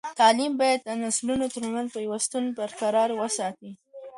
تعلیم باید د نسلونو ترمنځ پیوستون برقرار وساتي.